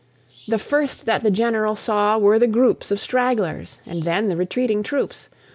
The first that the General saw were the groups Of stragglers, and then the retreating troops.